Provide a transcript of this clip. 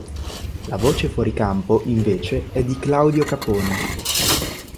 La voce fuori campo invece è di Claudio Capone.